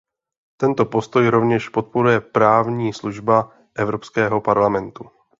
Tento postoj rovněž podporuje právní služba Evropského parlamentu.